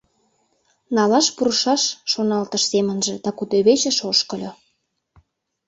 «Налаш пурышаш», — шоналтыш семынже да кудывечыш ошкыльо.